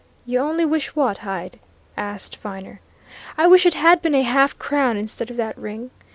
"You only wish what, Hyde?" asked Viner. "I wish it had been a half crown instead of that ring!"